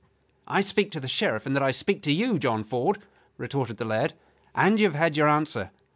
"I speak to the Sheriff in that I speak to you, John Ford," retorted the lad: "and you have had your answer.